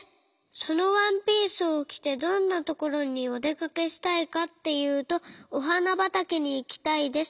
そのワンピースをきてどんなところにおでかけしたいかっていうとおはなばたけにいきたいです。